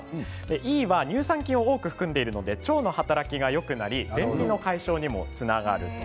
飯いいは乳酸菌を多く含んでいるので腸の働きがよくなり便秘の解消にもつながると。